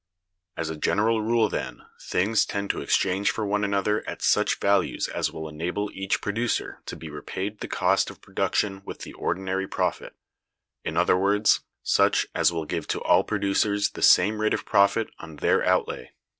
As a general rule, then, things tend to exchange for one another at such values as will enable each producer to be repaid the cost of production with the ordinary profit; in other words, such as will give to all producers the same rate of profit on their outlay.